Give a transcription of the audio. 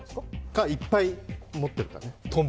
か、いっぱい持ってるかね。